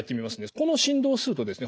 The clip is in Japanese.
この振動数とですね